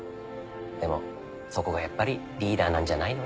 でもそこがやっぱりリーダーなんじゃないの？